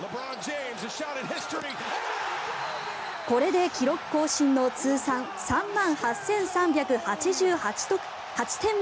これで記録更新の通算３万８３８８点目。